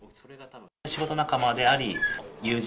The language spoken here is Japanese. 仕事仲間であり、友人。